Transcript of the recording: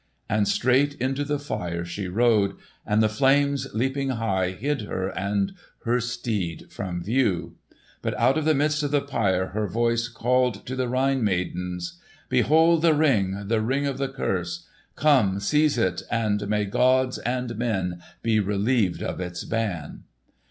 And straight into the fire she rode, and the flames leaping high hid her and her steed from view. But out of the midst of the pyre her voice called to the Rhine maidens. [Illustration: "And straight into the Fire she rode" J. Wagrez] "Behold the Ring; the Ring of the curse! Come, seize it, and may gods and men be relieved of its ban!"